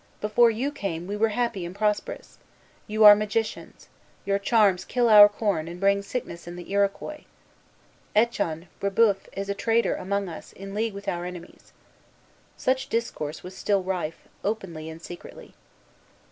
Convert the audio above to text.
Before you came, we were happy and prosperous. You are magicians. Your charms kill our corn, and bring sickness and the Iroquois. Echon (Brébeuf) is a traitor among us, in league with our enemies." Such discourse was still rife, openly and secretly.